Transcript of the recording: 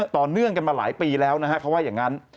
ต่อเนื่องกันมาหลายปีแล้วนะฮะเขาว่าอย่างนั้น